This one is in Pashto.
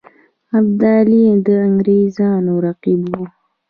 ابدالي د انګرېزانو رقیب وو.